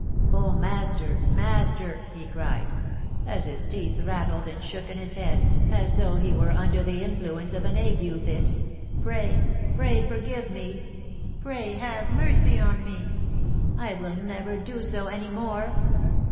'Oh, master, master!' he cried, as his teeth rattled and shook in his head, as though he were under the influence of an ague fit, 'pray pray forgive me! Pray have mercy on me! I will never do so any more.